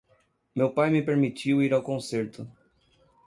Meu pai me permitiu ir ao concerto.